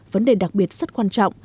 vấn đề đặc biệt rất quan trọng